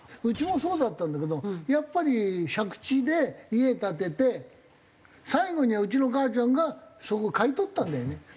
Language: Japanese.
うちもそうだったんだけどやっぱり借地で家建てて最後にはうちの母ちゃんがそこを買い取ったんだよね。